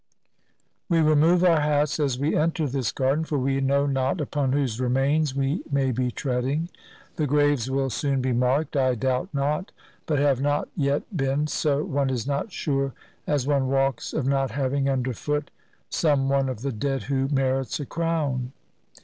We remove our hats as we enter this garden, for we know not upon whose remains we may be treading. The graves will soon be marked, I doubt not, but have not yet been, so one is not sure as one walks of not having under foot some one of the dead who merits a crown.